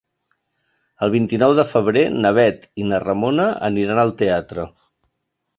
El vint-i-nou de febrer na Bet i na Ramona aniran al teatre.